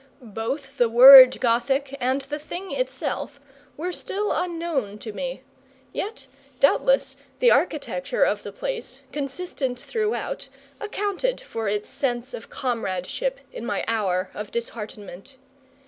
Both the word Gothic and the thing itself were still unknown to me; yet doubtless the architecture of the place, consistent throughout, accounted for its sense of comradeship in my hour of disheartenment.